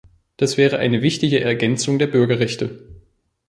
Das wäre eine wichtige Ergänzung der Bürgerrechte.